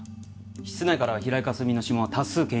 室内からは平井かすみの指紋は多数検出されてる。